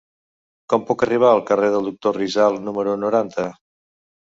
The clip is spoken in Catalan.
Com puc arribar al carrer del Doctor Rizal número noranta?